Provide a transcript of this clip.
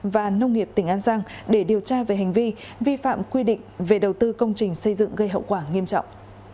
và nông nghiệp tỉnh an giang để điều tra về hành vi vi phạm quy định về đầu tư công trình xây dựng gây hậu quả nghiêm trọng